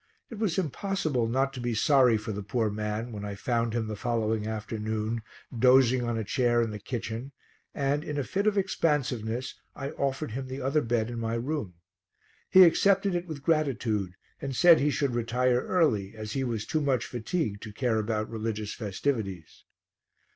It was impossible not to be sorry for the poor man when I found him the following afternoon dozing on a chair in the kitchen and, in a fit of expansiveness, I offered him the other bed in my room. He accepted it with gratitude and said he should retire early as he was too much fatigued to care about religious festivities.